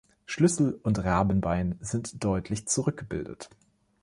Schlüssel- und Rabenbein sind deutlich zurückgebildet.